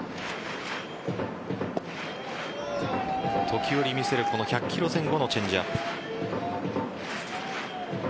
時折、見せるこの１００キロ前後のチェンジアップ。